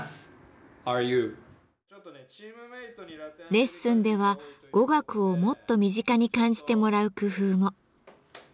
レッスンでは語学をもっと身近に感じてもらう工夫も。